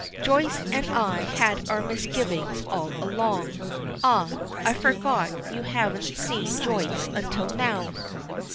Joyce and I had our misgivings all along. Ah, I forgot, you haven't seen Joyce until now."